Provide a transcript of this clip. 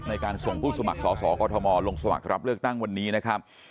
ในการส่งผู้สมัครสอสอกอทมลงสมัครรับเลือกตั้งวันนี้นะครับ